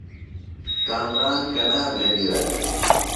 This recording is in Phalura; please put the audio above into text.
ݨ کامران کنا بھےۡ گِرہ دےۡ ؟